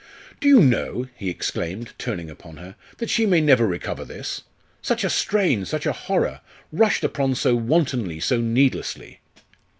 "Do you know," he exclaimed, turning upon her, "that she may never recover this? Such a strain, such a horror! rushed upon so wantonly, so needlessly."